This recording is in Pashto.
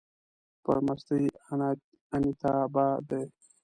پر مستۍ انيتابا دی